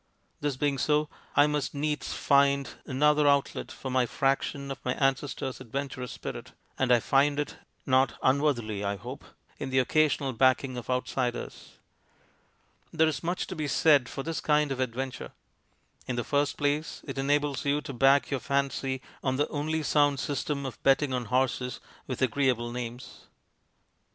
This being so, I must needs find another outlet for my fraction of my ancestor's adventurous spirit, and I find it, not unworthily I hope, in the occasional backing of outsiders. There is much to be said for this kind of adventure. In the first place, it enables you to back your fancy on the only sound system of betting on horses with agreeable names.